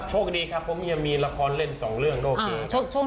โชคดีครับผมยังมีละครเล่นสองเรื่องโชคดี